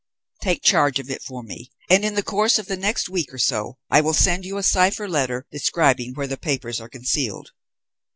Take charge of it for me, and in the course of the next week or so I will send you a cipher letter describing where the papers are concealed.